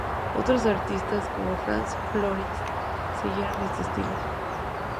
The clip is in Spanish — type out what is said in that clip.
Otros artistas, como Frans Floris, siguieron este estilo.